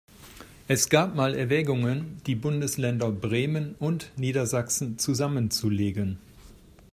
Es gab mal Erwägungen, die Bundesländer Bremen und Niedersachsen zusammenzulegen.